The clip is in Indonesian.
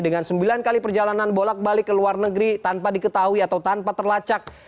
dengan sembilan kali perjalanan bolak balik ke luar negeri tanpa diketahui atau tanpa terlacak